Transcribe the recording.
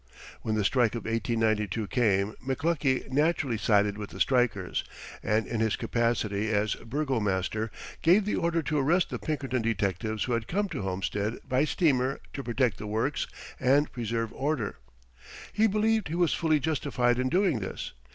When the strike of 1892 came McLuckie naturally sided with the strikers, and in his capacity as burgomaster gave the order to arrest the Pinkerton detectives who had come to Homestead by steamer to protect the works and preserve order. He believed he was fully justified in doing this.